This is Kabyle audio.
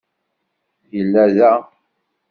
Yella da.